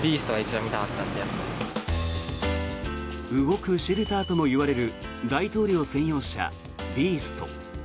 動くシェルターともいわれる大統領専用車、ビースト。